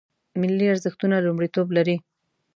ملي ارزښتونه لومړیتوب لري